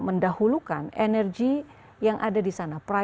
mendahulukan energi yang ada di sana